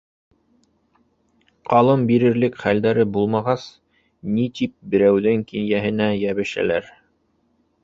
Ҡалым бирерлек хәлдәре булмағас, ни тип берәүҙең кинйәһенә йәбешәләр.